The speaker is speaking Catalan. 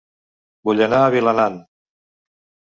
Vull anar a Vilanant